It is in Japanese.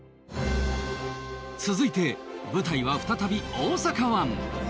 続いて舞台は再び大阪湾。